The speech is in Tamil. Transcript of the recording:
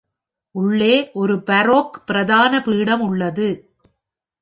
உள்ளே ஒரு பாரோக் பிரதான பீடம் உள்ளது.